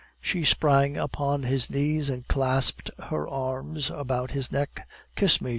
She sprang upon his knees and clasped her arms about his neck. "Kiss me!"